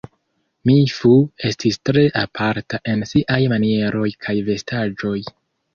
Mi Fu estis tre aparta en siaj manieroj kaj vestaĵoj.